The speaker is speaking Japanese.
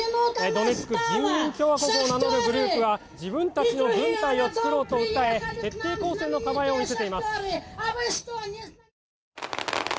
ドネツク人民共和国を名乗るグループが自分たちの軍隊を作ろうと訴え徹底抗戦の構えを見せています。